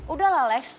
udah lah lex